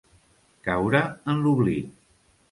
Caure en l'oblit.